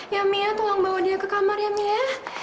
ya mia tolong bawa dia ke kamar ya mia